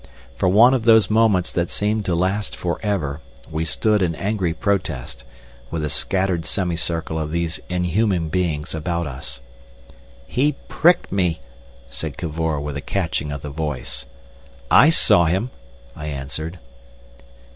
For one of those moments that seem to last for ever, we stood in angry protest, with a scattered semicircle of these inhuman beings about us. "He pricked me!" said Cavor, with a catching of the voice. "I saw him," I answered.